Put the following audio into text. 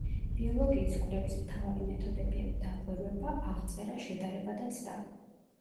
ბიოლოგიის კვლევის მთავარი მეთოდებია: დაკვირვება, აღწერა, შედარება და ცდა.